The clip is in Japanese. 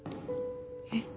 えっ？